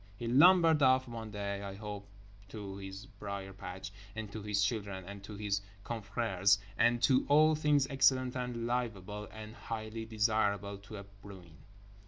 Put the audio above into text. He lumbered off one day—I hope to his brier patch, and to his children, and to his confrères, and to all things excellent and livable and highly desirable to a bruin.